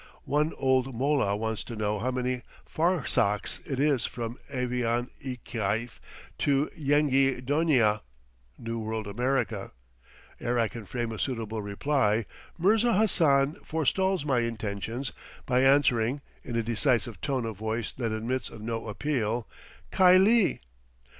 One old mollah wants to know how many farsakhs it is from Aivan i Kaif to Yenghi Donia (New World America); ere I can frame a suitable reply, Mirza Hassan forestalls my intentions by answering, in a decisive tone of voice that admits of no appeal, "Khylie!"